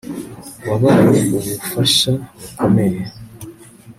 Wabaye ubufasha bukomeye